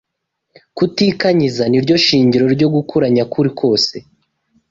Kutikanyiza ni ryo shingiro ryo gukura nyakuri kose